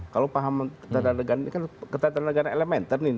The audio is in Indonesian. kalau pemahaman ketatan negaraan ini kan ketatan negaraan elementer nih